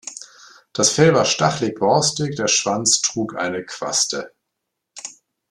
Das Fell war stachelig-borstig, der Schwanz trug eine Quaste.